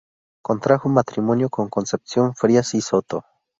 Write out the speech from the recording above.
Contrajo matrimonio con Concepción Frías y Soto.